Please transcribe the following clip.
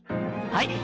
はい！